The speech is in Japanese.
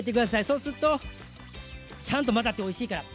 そうするとちゃんと混ざっておいしいから。